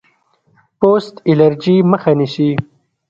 پوست الرجي مخه نیسي.